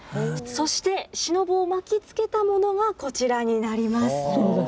そして、シノブを巻きつけたものがこちらになります。